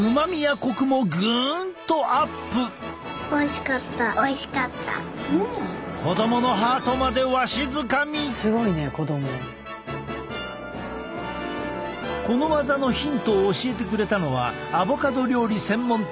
この技のヒントを教えてくれたのはアボカド料理専門店の佐藤さん夫妻。